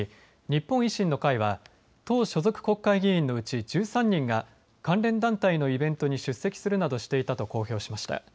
日本維新の会は党所属国会議員のうち１３人が関連団体のイベントに出席するなどしていたと公表しました。